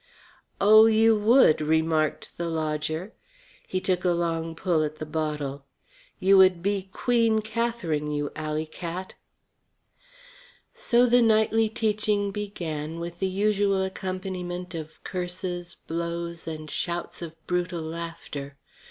"Oh, you would!" remarked the lodger. He took a long pull at the bottle. "You be Queen Kathrine, you alley cat." So the nightly teaching began with the usual accompaniment of curses, blows, and shouts of brutal laughter.